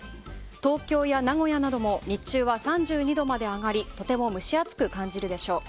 東京や名古屋なども日中は３２度まで上がりとても蒸し暑く感じるでしょう。